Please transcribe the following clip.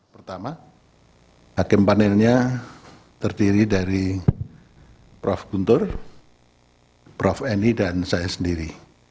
pertama hakim panelnya terdiri dari prof guntur prof eni dan saya sendiri